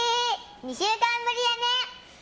２週間ぶりやね！